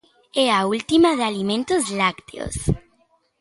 É a última de Alimentos Lácteos.